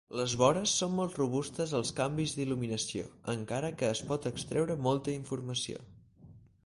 Les vores són molt robustes als canvis d'il·luminació, encara que es pot extreure molta informació.